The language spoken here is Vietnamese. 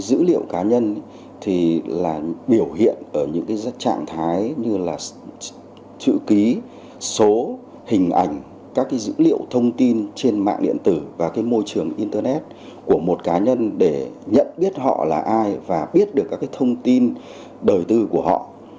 dữ liệu cá nhân thì là biểu hiện ở những trạng thái như là chữ ký số hình ảnh các dữ liệu thông tin trên mạng điện tử và cái môi trường internet của một cá nhân để nhận biết họ là ai và biết được các thông tin đời tư của họ